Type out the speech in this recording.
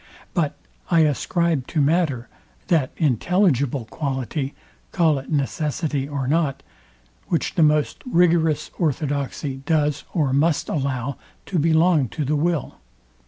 But I ascribe to matter, that intelligible quality, call it necessity or not, which the most rigorous orthodoxy does or must allow to belong to the will.